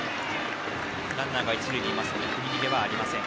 ランナーが一塁にいますので振り逃げはありません。